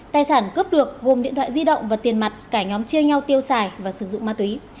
tài sản cướp được gồm điện thoại di động và tiền mặt cả nhóm chia nhau tiêu xài và sử dụng ma túy